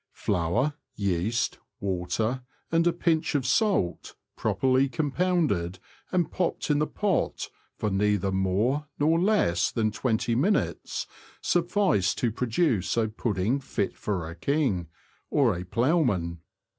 Flour, yeast, water, and a pinch of salt, properly compounded, and popped in the pot for neither more nor less than twenty minutes, suffice to produce a pudding fit for a king — or a ploughman.